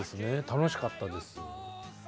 楽しかったです。